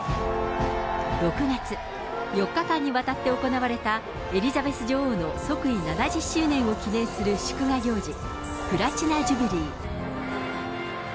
６月、４日間にわたって行われたエリザベス女王の即位７０周年を記念する祝賀行事、プラチナ・ジュビリー。